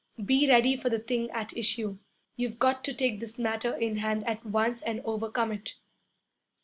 Be ready for the thing at issue. You've got to take this matter in hand at once and overcome it.'